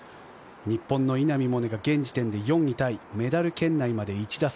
日本の稲見萌寧が現時点で４位タイ、メダル圏内まで１打差。